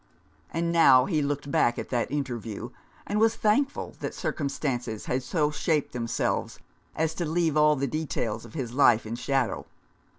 And now he looked back at that interview, and was thankful that circumstances had so shaped themselves as to leave all the details of his life in shadow.